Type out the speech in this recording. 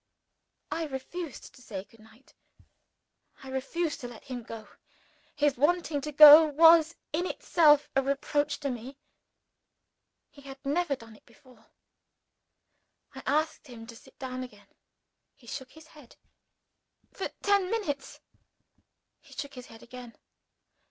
I refused to say good night I refused to let him go. His wanting to go was in itself a reproach to me. He had never done it before. I asked him to sit down again. He shook his head. "For ten minutes!" He shook his head again.